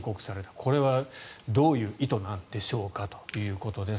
これはどういう意図なんでしょうかということです。